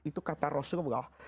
itu kata rasulullah